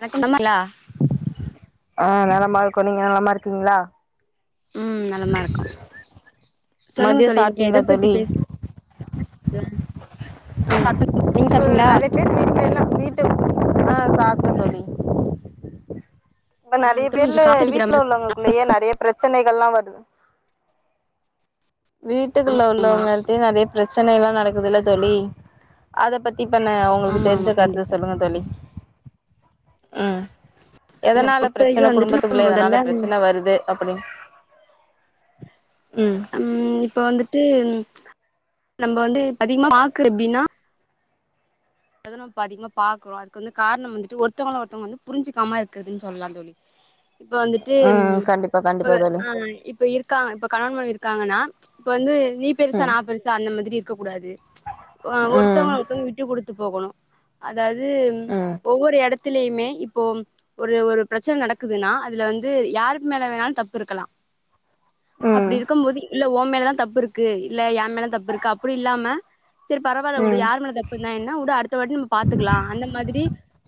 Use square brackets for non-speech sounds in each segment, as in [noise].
வணக்கம் [unintelligible] லா ஆ நலமா இருக்கோ நீங்க நலமா இருக்கீங்களா உ நலமா இருக்கோ சொல்லுங்க மதியோ தோழி இன்னைக்கு எத சாப்ட்டீங்களா பத்தி தோழி பேச்ல த உ நறைய பேர் வீட்டுல எல்லா [unintelligible] ஆ சாப்டே தோழி இப்ப ஆ நறைய தோழி கொஞ்சோ பேர்ல காத்தடிக்கிற வீட்டுல மாரி உள்ளவங்களுக்குள்ளயே நறைய பிரச்சனைகள்லா வருது வீட்டுக்குள்ள ஆமா ஆமா உள்ளவங்கள்டே நறைய பிரச்சனைலா நடக்குது இல்ல தோழி அத பத்திப்பண்ண உங்களுக்கு ஆமா ஆமா தெரிஞ்ச கருத்த கண்டிப்பா சொல்லுங்க தோழி ஆ என்ன எதனால பொறுத்த வரைக்கு பிரச்சன வந்துட்டு நம்ம குடும்பத்துக்குள்ள எதனால முதல்ல பிரச்சன வருது அப்பிடி ம் ம் இப்ப வந்துட்டு ம் நம்ம வந்து இப்ப அதிகமா பாக்கறது எப்டின்னா ன்னு இப்ப அதிகமா பாக்குறோ அதுக்கு வந்து காரணம் வந்துட்டு ஒருத்தவங்கள ஒருத்தவங்க வந்து புரிஞ்சுக்காம இருக்றதுன்னு சொல்லலாந் தோழி இப்ப வந்துட்டு ம் கண்டிப்பா இப்ப கண்டிப்பா தோழி ஆ இப்ப இருக் இருகாங்க இப்ப கணவன் மனைவி இருக்காங்கன்னா இப்ப வந்து நீ பெருசா ம் நா பெருசா அந்த மாதிரி இருக்க கூடாது ஆ ம் ஒருத்தவங்க [unintelligible] விட்டு குடுத்து போகணு அதாவது ம் ஒவ்வொரு எடத் த்துலய்மே இப்போ. ஒரு ஒரு பிரச்சன நடக்குதுன்னா அதுல வந்து யாருக்கு மேல வேணாலு தப்பு இருக்கலா அப்டி ம் இருக்கும்போது இல்ல ஓ மேலதா தப்பு இருக்கு இல்ல எ மேல தப்பு இருக்கா அப்டி இல்லாம சரி பரவாயில்ல வுடு. ம் யாரு மேல தப்பு நா என்னா உட அடுத்த வாட்டி நம்ம பாத்துக்கலா அந்த மாதிரி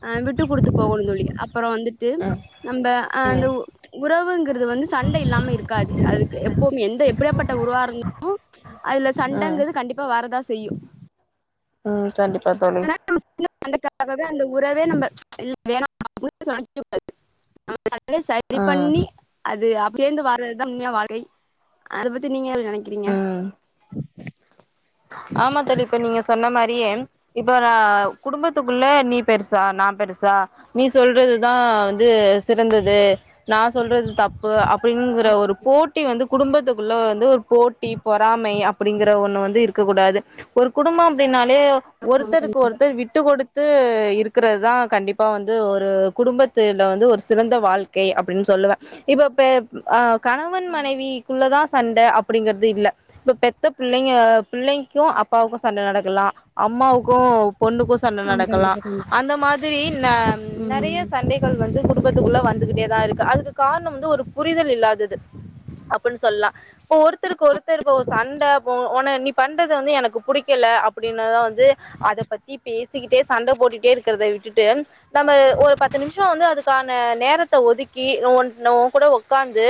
அ விட்டு குடுத்து போகணு தோழி அப்புற வந்துட்டு ம் நம்ம அ அந்த ம் ஒ உறவுங்கிறது வந்து சண்ட இல்லாம இருக்காது. அதுக்கு எப்பவு எந்த எப்டியாப்பட்ட உரவா இருந் உ அதுல ம் சண்டங்கறது, கண்டிப்பா வரதா செய்ய உ கண்டிப்பா தோழி ஆனா நம்ம சின்ன சண்டக்காகவே, அந்த உறவே நம்ம இல்ல வேணா அப்டின்னு சொன்னாலு நம்ம சண்ட சரி ம் பண்ணி அது அபு சேந்து வாழ்றதுதா உண்மையான வாழ்கை அத பத்தி நீங்க என்ன நனைக்கிறீங்க ம் ஆமா தோழி இப்ப நீங்க சொன்ன மாரியே இப்ப நா குடும்பத்துக்கு குள்ள நீ பெருசா நா பெருசா நீ சொல்றதுதா வந்து சிறந்தது நா சொல்றது தப்பு அப் அப்டிங்கிற, ஒரு போட்டி வந்து குடும்பத்துக்குள்ள வந்து ஒரு போட்டி பொறாமை அப்படிங்கிற ஒன்னு வந்து இருக் க்க கூடாது. ஒரு குடும்போ அப்டின்னாலே ஆமா ஒருத்தருக்கு ஒருத்தர் விட்டு குடுத்து. இருக்கிறது தா கண்டிப்பா வந்து ஒரு குடும்பத்தில வந்து ஒரு சிறந்த வாழ்க்கை அப்டின்னு சொல்லுவே இப்ப பே அ. கணவன் மனைவிக்குள்ளதா சண்ட அப்படிங்கறது இல்ல இப்ப பெத்த பிள்ளைங்க பிள்ளைக்கு அப்பாவுக்கு சண்ட நடக்கலா அம்மாவுக்கு பொண்ணுக்குஸ் சண்ட கண்டிப்பா நடக்கலா கண்டிப்பா அந்த மாதிரி ந ம் நறைய சண்டை கள் வந்து குடும்பத்துக்குள்ள வந்துகிட்டே தா இருக்கு. அதுக்கு காரணம் வந்து ஒரு புரிதல் இல்லாதது. அப்பின்னு சொல்லலா இப்ப ஒருத்தருக்கு ஒருத்தர் இப்ப சண்ட போ ஒன்ன நீ பண்றது வந்து எனக்கு பிடிக்கல, அப்படினுதா வந்து அதப்பத்தி பேசிக்கிட்டே. சண்ட போட்டுட்டே இருக்கிறத விட்டுட்டு நம்ம ஒரு பத்து நிமிஷோ வந்து அதுக்கான நேரத்த ஒதுக்கி ஒ நோ கூட உக்காந்து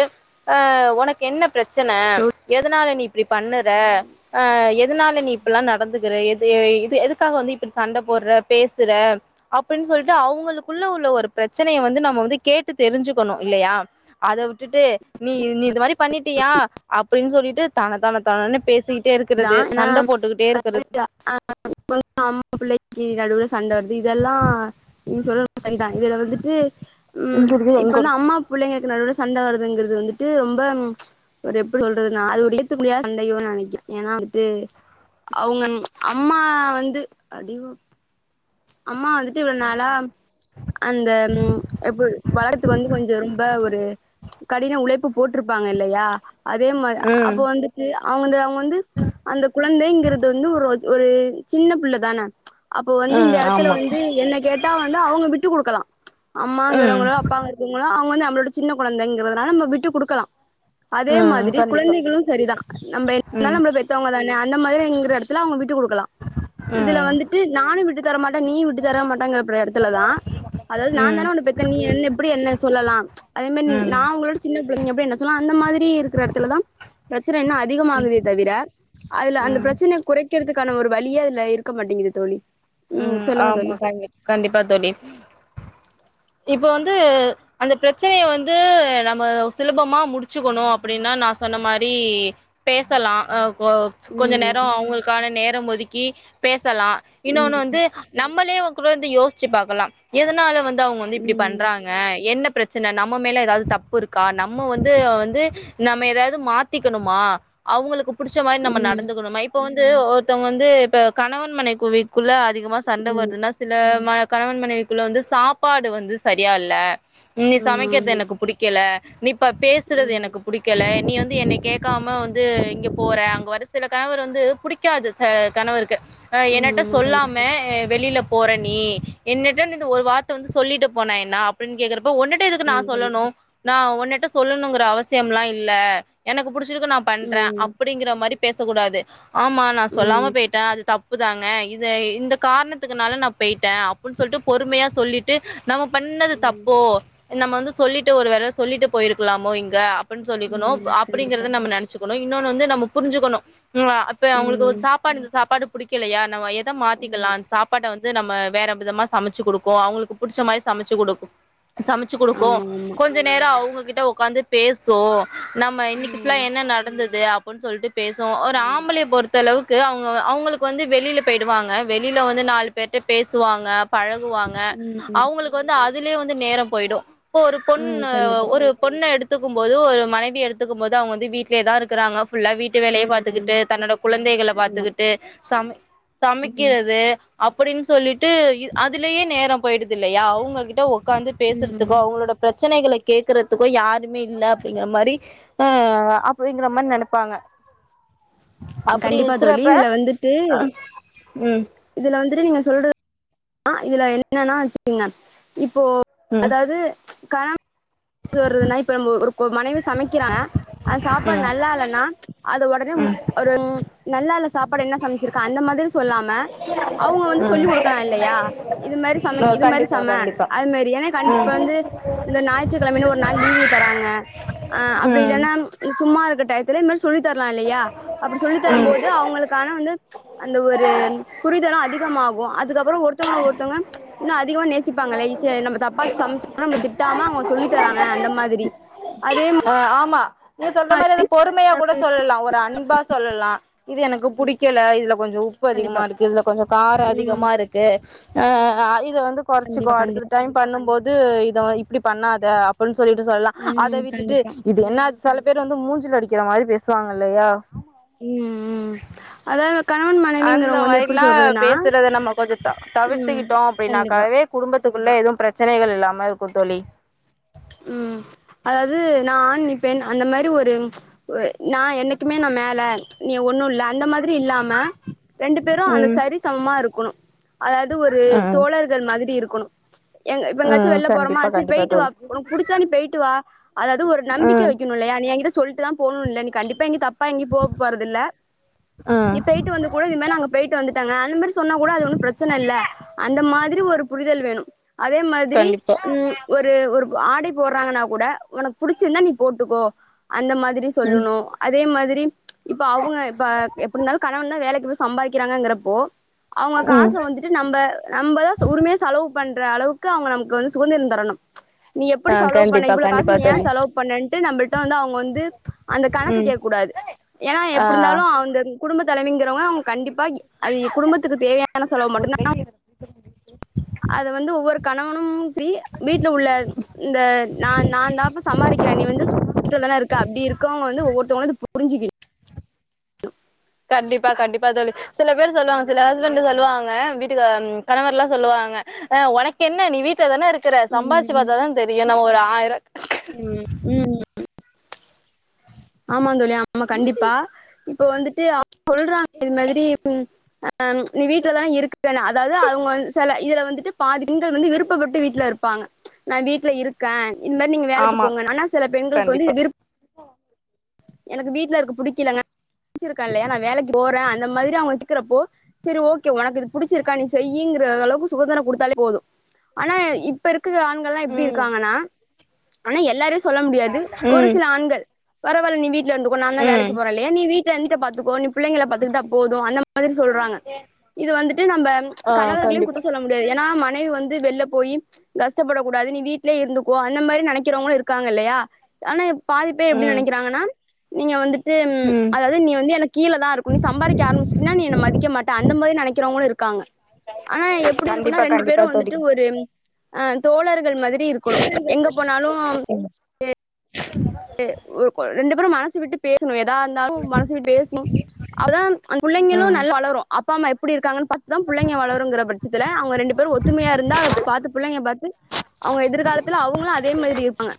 ஆ உனக்கு என்ன பிரச்சன தோழி எதனால நீ இப்டி பண்ணுற ஆ எதனால நீ இப்பில்லா நடந்துக்கற, எது இது எதுக்காக வந்து இப்டி சண்ட போடுற பேசுற அப்டின் சொல்ட்டு அவுங்களுக்குள்ள உள்ள ஒரு பிரச்சனைய வந்து நம்ம வந்து கேட்டு தெரிஞ்சுக்கணு இல்லையா அத விட்டுட்டு நீ நீ இது மாத்ரி பண்ணிட்டியா அப்படின் சொல்லிட்டு தன தன தனன்னு பேசி தா ஆனா [inaudible] [inaudible] அம்மா பிள்ளைக்கு நடுவுல சண்ட வருது இதெல்லா நீ சொல்றது சரிதா இதுல வந்துட்டு ம் இப்ப வந்து அம்மா பிள்ளைங்களுக்கு நடுவுல சண்ட வருதுங்கறது வந்துட்டு ரொம்ப ஒரு எப்டி சொல்றது நா அது ஒரு [inaudible] சண்டையோன் நெனைக்கிறே ஏனா வந்துட்டு அவுங்க அம்மா வந்து அடிவா அம்மா வந்துட்டு இவ்ள நாளா அந்த ம் எப்ப வளத்து வந்து கொஞ்சோ ரொம்ப ஒரு கடின உழைப்பு போட்ருப்பாங்க இல்லையா அதே மா ம் அப்ப வந்து அவுங்க வந்து அவுங்க வந்து அந்த குழந்தைங்கிறது வந்து ஒரோ ஒரு சின்ன பிள்ளதான அப்போ வந்து இந்த ம் எடத் ஆமா என்ன கேட்டா வந்து அவுங்க விட்டு குடுக்கலா ம் அம்மாங்கிறவங்களோ அப்பாங்க இருக்கவங்களோ அவுங்க வந்து நம்மளோட சின்ன கொழந்தைங்கிறதுனால நம்ம விட்டு குடுக்கலா அதே ம் மாத்ரி கண்டிப்பா குழந்தைகளு சரிதா நம்ம என் [inaudible] ம் நம்மள பெத்தவங்கதான அந்த மாத்ரி நீங்களு எடுத் த்லா அவுங்க விட்டு குடுக்கலா ம் ட்டு நானு விட்டு தரமாட்டே நீயு விட்டு தரமாட்டேங்கிறப்ப எடத்துலதா அதாவ்து நா ம் தான ஒன்ன பெத்தே நீ என்ன எப்டி என்ன சொல்லலா அதே மேன் ம் நா உங்களோட சின்ன பிள்ளைங்க எப்டி என்ன சொன்னா அந்த மாத்ரி இருக்கிற எடத்துலதா பிரச்சன இன்னு அதிகமாகுதே தவிர அதுல அந்த ம் பிரச்சன குறைக்கிறதுக்கான ஒரு வழியே அதுல இருக்க மாட்டிங்குது தோழி ம் சொல்லுங்க ஆமா தோழி கண் கண்டிப்பா தோழி இப்ப வந்து அந்த பிரச்சனைய வந்து நாம சுலபமா முடிச்சுக்கணு அப்டின்னா நா சொன்ன மாரி பேசலா அ கொ கொஞ்ச ம் நேரோ அவுங்களுக்கான நேரம் ஒதுக்கி பேசலா இன்னோனு வந்து ம் நம்மளே இவுங் கூட இருந்து யோசிச்சு பாக்கலா எதனால வந்து அவுங்க வந்து இப்டி பண்றாங்க என்ன பிரச் செர் நா நம்ம மேல எதாவ்து தப்பு இருக்கா நம்ம வந்து வந்து நம்ம எதாவ்து மாத்திக்கணுமா அவுங்களுக்கு புடிச்ச மாரி நம்ம ம் நடந்துக்கணுமா இப் இப்ப வந்து ஒருத்தவங்க வந்து இப்ப கணவன் மனைவிக் குவிக்குள்ள அதிகமா சண்ட ம் வருதுன்னா துல மன கணவன் மனைவிக்குள்ள வந்து சாப்பாடு வந்து சரியா இல்ல நீ சமைக்கிறது எனக்கு புடிக் கில நீ இப்ப ம் ஆமா ஆமா பேசறது ம் எனக் புடிக் கல நீ வந்து என்னை கேக்காம வந்து இங்க போற அங்க வ ஒரு சில கணவர் வந்து புடிக் காது ச கணவருக்கு அ என்னட்ட சொல்லாம வெளில போற நீ என்னிட்ட இந்தந்த ஒரு வா ர்த்த வந்து சொல்லிட்டு போனா என்ன அப்டின் கேக்குறப்ப ஒன்னுட்ட எதுக்கு நா சொல்லணு நா உன்னிட்ட சொல்லனுங்கற அவசியம்லா இல்ல எனக்கு புடிச்சிருக்கு நா பண்றே அப்டிங்கற மாரி பேசக்கூடாது ஆமா நா ஆமா கண்டிப்பா ம் கண்டிப்பா ம் ம் சொல்லாம போய்ட்டே அது த ப்புதாங்க இத இந்த காரணத்துக்குனால நா போய்ட்டே அப்புன் சொல்ட்டு பொறுமையா சொல்லிட்டு நாம பண்ணது ம் தப்போ நம்ம வந்து சொல்லிட்டு ஒரு வேள சொல்லிட்டு போயிருக்கலாமோ இங்க அப்புட்னு சொல்லிக்கணு ம் கண்டிப்பா அப்டிங்கறத நம்ம நெனைச்சுக்கணு இன்னொன்னு வந்து நம்ம புரிஞ்சக்கணு ம் அப்ப அவுங்களுக்கு ஒரு ம் சாப் பாடு இந்த சாப்பாடு புடிக்கலையா நாம எத ஆமா மாத்திக்கலான் சாப் பாட்ட வந்து நம்ம வேற விதமா சமைச்சு குடுக்கோ அவங்களுக்கு புடிச்ச மாரி சமைச்சு குடுக் சமைச்சு குடுக்கோ ஆமா ஆமா கொஞ்சொ நேரோ அவுங்ககிட்ட உக்காந்து பேசோ நம்ம இன்னிக்கு ஃபுல்லா ம் என்ன நடந்தது அப்பின் சொல்ட்டு பேசெ ஒரு ம் ஆம்பளய பொறுத் த்த அளவுக்கு அவுங்க அவுங்களுக்கு வந்து வெளியில பெய்டுவாங்க வெளியில வந்து நாலு பேர்ட்ட பேசுவாங்க பழகுவாங்க ம் அவுங்களுக்கு வந்து அதுலுயே வந்து நேரம் போயிடூ இப்ப ஒரு ம் பொண்ணு கண்டிப்பா ஒரு பொண்ணெ எடுத் துக்கும்போது ஒரு மனவிய எடுத்துக்கும் போது அவுங்க வந்து வீட்லயேதா இருக்கிறாங்க ஃபுல்லா வீட் ட்டு வேலய ம் ம் பாத்துக்கிட்டு தன்னோட குழந்தைகள ஆமா பாத்துக்கிட்டு சம் ம் சமைக்கிறது அப்டின்னு சொல்லிட்டு இ அதுலேயே நேரம் போயிடுது இல்லயா அவுங்ககிட்ட ஓ உக்காந்து பேசுறதுக்கோ ம் அவங்களோட பிரச்சனைகளை கேக்குறதுக்கோ யாருமே இல்ல அப்படிங்கிற மாரி ஆ அப்டிங்கிற மாரி நெனப்பாங்க அப்டி கண்டிப்பா தோழி இருக்கிறப்ப இதுல வந்துட்டு ம் இதுல வந்துட்டு நீங்க சொல்றத் ஆ இதுல என்னன்னா வச்சுக்குங்க இப்போ ம் ம் அதாவது கார இப்ப ஒரு லைஃப் நம்ம ஒர் ஒரு மனைவி சமைக்கிறேங்க அந் சாப்பாடு ம் நல்லால்ன்னா அது உடனே ம் ஒரு நல்லால்ல சாப்பாடு என்ன சமைச்சிருக்க அந்த மாரி சொல்லாம அவுங்க வந்து ம் சொல்லி் கொடுக்கலா இல்லயா இது மாரி ஆ சமைக் இது மாதிரி கண்டிப்பா சம கண்டிப்பா அது மாதிரி ஏன்னா கண்டிப் ம் இப்ப வந்து இந்த நா அப்டின் ஒரு நாள் லீவ் தராங்க ஆ அப்டி ம் இல்லன்னா சும்மா இருக்க டயத்துல இந்த மாரி சொல்லி தரலா இல்லயா அப்படி சொல்லித்தரூ ம் போது அவங்களுகு ஆனா வந்து அதல ஒரு புரிதலூ அதிகமாகூ அதுக்கப்புறோ ஒருத்தவங்கள ஒருத்தவங்க இன்னூ அதிகமா நேசிப்பாங்க ஈசியா நம்ம தப்பாத்த சமச்சாலூ நம்மள திட்டாம அவுங்க சொல்லி தராங்க அந்த மாதிரி அதேம் ஆ ஆமா நீங்க சொல்ற மாரி அத பொறுமையா கூட சொல்லலா ஒத் ஒரு அன்பா சொல்லலா இது எனக்கு புடிக்கல இதுல கொஞ்சொ உப் உப்பு அதிகமா கண்டிப்பா இருக்கு இதுல கொஞ்சொ காரம் ம் அதிகமா இருக்கு ஆ இத வந்து கெறைச்சிக்கோ கண்டிப்பா அடுத்த கண்டிப்பா டைம் பண்ணூ போது இத இப்டி பண்ணாத அப்படின் சொல்லிட்டு சொல்லலா அத ம் விட் கண்டிப்பா ஏன்ன செல பேர் வந்து மூஞ்சில அடிக்கிற மாரி பேசுவாங்க இல்லயா ம் ம் அதாவது கணவன் அந்த மனைவிங்கிறவங்க வந்து எப்டி மாரிலா சொல்றதுன்னா பேசுறத நம்ம கொஞ்சொ தவி ம் தவிர்த்துக்கிட்டோ கண்டிப்பா அப்டின்னாக்கவே குடும்பத்துக்குள்ள எதுவூ பிரச்சனைகள் இல்லாம இருக்கூ தோழி ம் [inaudible] அதாவது நா ஆண் நீ பெண் அந்த மாரி ஒரு ஒரு நா என்னைக்குமே நா மேல நீ ஒண்ணூ இல்ல அந்த மாதிரி இல்லாம ரெண்டு பேரூ அதல ம் சரிசமமா இருக்கணூ அதாவது ஒரு ம் தோழர்கள் மாதிரி இருக்கணோ எங்க இப்ப எங்காச்சூ ம் வெள்ள போறோமா கண்டிப்பா அத் சரி கண்டிப்பா போய்டிட்டு வா தோழி உனக்கு புடிச்சா நீ பேயிட்டு வா அதாவது ஒரு நம்பிக்கை ம் வைக்கனோ இல்லயா நீ எங்கிட்ட சொல்லிட்டுதா போனோ இல்ல நீ கண்டிப்பா எங்கயூ தப்பா எங்கேயூ போப் போறதில்ல நீ ம் பேயிட்டு வந்து கூட நீ வேணா பேயிட்டு வந்துட்டாங்க அந்த மாதிரி சொன்னா கூட அது ஒன்னூ பிரச்சன இல்ல அந்த மாதிரி ஒரு புரிதல் வேணூ அதே மாதிரி கண்டிப்பா ம் ஒரு ஒரு ஒரு ஆடம போட்றாங்கன்னா கூட உனக்கு புடிச்சிருந்தா நீ போட்டுக்கோ அந்த மாதிரி ம் சொல்லணோ அதே மாதிரி இப்ப அவங்க இப்ப எப்படி இருந்தாலூ கணவன்தா வேலைக்கு போய் சம்பாதிக்கிறாங்கப்போ அவங்க ம் காச வந்துட் இது நம்ப நம்மதா உரிமய செலவு பண்ற அளவுக்கு அவுங்க நமக்கு வந்து சுதந்திரோ தரணூ நீ எப்படி ஆ செலவு பண்ண கண்டிப்பா இவ்ளோ காசு கண்டிப்பா நீ ஏன் தோழி செலவு பண்ணேன்ட்டு நம்மள்கிட்ட வந்து அவங்க வந்து அந்த கணக்கு ம் கேக் கூடாது ஏன்னா ஆ எப்படி இருந்தாலு அவங்க குடும்ப தலைவிங்கிறவங்க அவங் கண்டிப்பா எ அது குடும்பத்துக்கு தேவையான செலவு மட்டுதா அது வந்து ஒவ்வொரு கணவனும் திரி வீட்ல உள்ள இந்த நான் நான் தாப்ப சம்பாரிக்கிறேன் நீ வந்து வீட்டுலதா இருக்க அப்டி இருக்கங்க வந்து ஒவ்வோருத்தவங்களு இத புரிஞ்சிகின் கண்டிப்பா கண்டிப்பா தோழி சில பேர் சொல்லுவாங் சில ஹஸ்பண்ட் சொல்லுவாங்க வீட்டுக்கு கணவர்லா சொல்லுவாங்க ஆ உனக் என்ன நீ வீட்ல தானே இருக்கற சம்பார்ச்சு ம், பாத்தாதா தெரியு நம்ம ஒரு ஆயிர ம் ம் ஆமா தோழி ஆமா கண்டிப்பா இப்ப வந்துட்டு [inaudible] சொல்றாங்க இது மாதிரி ம் அ அம் நீ வீட்லதானே இருக்கன்னு அதாவது அவங்க வந் செல இதுல வந்துட்டு பாதி பெண்கள் வந்து விருப்பப்பட்டு வீட்டுல இருப்பாங்க நா வீட்டுல இருக்கே இன் மாரி நீங்க வேலைக்கு ஆமா போங்கன்னு ஆனா சில பெண்களுக்கு வந்து கண்டிப்பா விருப் எனக்கு வீட்டுல இருக்கு புடிக்கலங்க ச்சிருக்க இல்லையா நா வேலைக்கு போறே அந்த மாதிரி அவங்க கேக்கிறப்போ சரி ஓகே ஒனக்கு இது புடிச்சிருக்கா நீ செய்யிங்கற அளவுக்கு சுகந்தரோ கொடுத்தாலே போது ஆனா இப் இப்ப இருக்கிற ஆண்கள்லா எப்படி ம் இருக்காங்கன்னா ஆனா எல்லாரையு சொல்ல முடியாது ஒரு ம் சில ஆண்கள் பரவால் நீ வீட்ல இருந்துகோ நா தா ம் வேலக்கு போர இல்லையா நீ வீட்ல இந்துட்டு பாத்துகோ நீ புள்ளைகள பாத்துகிட்டா போது அந்த மாதிரி சொல்றாங்க இது வந்துட்டு நம்ப ஆ கணவர்களையு குத்து கண்டிப்பா சொல்ல முடியாது ஏனா மனைவி வந் து வெள்ளப் போய்யி கஷ்டபட கூடாது நீ வீட் லியே இருந்துக்கோ அந்த மாரி நனைக்கிறவங்களு இருக்காங்க இல்லையா ஆனா பாதிபேர் எப்படி ம் நனைகிறாங்கன்னா நீங்க வந்துட்டு ம் அதாவது நீ வந்து எனக் கீழே தா இருக்கனு நீ சம்பாரிக்க ஆரம்ஸ்டீனா நீ என்ன மதி க்க மாடே அந்த மாரி நனைக்கிறவகளு இருக்காங்க ஆனா எப்படி இருக்குன்னா கண்டிப்பா ரெண்டு பேரு கண்டிப்பா தோழி வந்துட்டு ஒரு அ தோழர்கள் மாதிரி இருக்கணு எங்க போனாலு [unintelligible] டு ஒர் ரெண்டு பேரு மனசு விட்டு பேசணு எதா இருந்தாலு மனசு [inaudible] பேஸ்னு அதா அ புள்ளைங்களு ம் நல்லா வளரு அப் ப்பா அம்மா எப்படி இருக்காங்கன் பாத்தா புள்ளைங்க வளருங்கிற பட்சத்துல அவங்க ரெண்டு பேரு ஒத்துமையா இருந்தா அத பாத்து பிள்ளைக பாத்து அவங்க எதிர்காலத்துல அவங்களு அதே மாதிரி இருப்பாங்க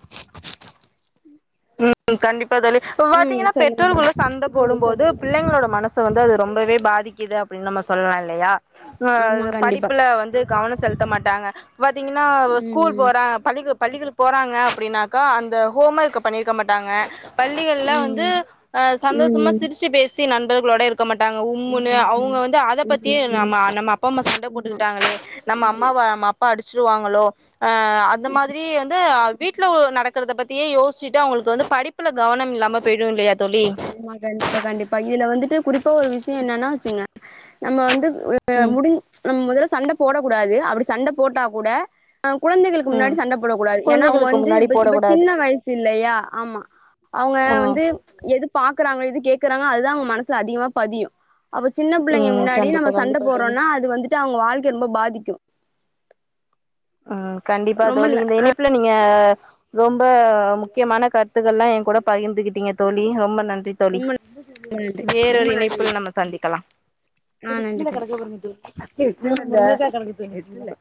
உம் [inaudible] கண்டிபா தோழி இப்ப பாத்தீகன்னா தோழி பெற்றோர்கள்ளு சண்ட போடும்போது பிள்ளைங்களோட மனசு வந்து அது ரொம்பவே பாதிக்குது அப்டின் நம்ம சொல்லா இல்லையா அ ஆமா அது கண்டிப்பா படிப்புல வந்து கவன செல்த்த மாட்டாங்க பாத்தீகன்னா ஸ்கூல் ம் போறா பள்ளிக்கு பள்ளிகளுக் போறாங்க அப்படின்னாகா அந்த ஹோம் ஒர்க்க பண்ணிட் க்க மாட்டாக பள்ளிகள்ல வந்து ம் அ சந்தோஷமா சிரிச்சு பேசி நண்பர்களோட இருக் க மாட்டாங்க உம்முன்னு அவ்ங்க ம் வந்து அத பத்தியே நம்ம நம்ம அப்பா அம்மா சண்ட ஆமா போட்டுகிட்டாகளே நம்ம அம்மாவ நம்ம அப்பா அடிச்சிருவாகளோ அ அந்த மாதிரி வந்து அ வீட்டுல நடக்கறத பத்தியே யோசிச்சுட்டு அவங்களுக்கு வந்து படிப்புல கவனம் இல்லாம போயிரு இல்லையா தோழி ஆமா கண்டிபா கண்டிபா இதுல வந்துட்டு குறிப்பா ஒரு விஷ்ய என்னனா வச்சுங்க நம்ம வந்து அ ம் முடிஞ் நம் முதல்ல சண்ட போட கூடாது அப்படி சண்ட போட்டா கூட அ குழந்தைகளுக்கு ம் முன்னாடி சண்ட போட கூடாது ஏன்னா அவங்க குழந்தைகளுக்கு வந்து முன்னாடி இப போடக் இப்ப கூடாது சின்ன வயசு இல்லையா ஆமா அவங்க ஆ வந்து எது பாக்கறாங்க எது கேக்குறாங்க அதுதா அவங்க மனசுல அதிகமா பதியு அப்ப சின்ன பிள்ளைங்க ம் முன்னாடி கண்டிப்பா நம்ம சண்ட கண்டிப்பா தோழி போற்றோன்னா அது வந்துட்டு அவங்க வாழ்க்கை ரொம்ப பாதிக்கு அ கண்டிபா ரொம்ப தோழி ந இந்த இணைப்புல நீங்க ரொம்ப முக்கியமான கருத்துக்கள்லா என் கூட பகிர்ந்துகிட்டீங்க தோழி ரொம்ப நன்றி தோழி ரொம்ப நன்றி வேறொரு இணைப்புல நம்ம சந்திக்கலா ஆஹ் நன்றி தோழி இ [unintelligible]